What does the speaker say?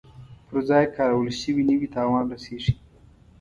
پر ځای کارول شوي نه وي تاوان رسیږي.